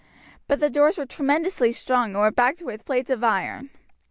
But the doors were tremendously strong and were backed with plates of iron.